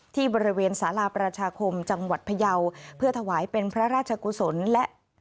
ที่บริเวณสาราประชาคมจังหวัดพยาวเพื่อถวายเป็นพระราชกุศลและ